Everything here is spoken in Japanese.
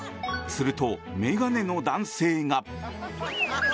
すると眼鏡の男性が。